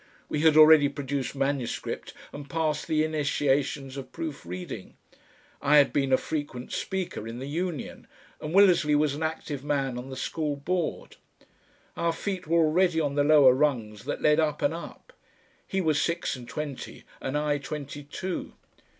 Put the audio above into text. We had already produced manuscript and passed the initiations of proof reading; I had been a frequent speaker in the Union, and Willersley was an active man on the School Board. Our feet were already on the lower rungs that led up and up. He was six and twenty, and I twenty two.